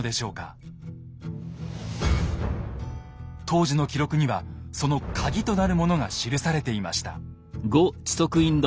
当時の記録にはそのカギとなるものが記されていました。